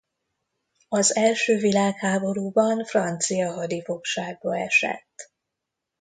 Az első világháborúban francia hadifogságba esett.